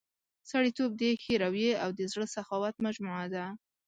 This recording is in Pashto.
سړیتوب د ښې رويې او د زړه سخاوت مجموعه ده.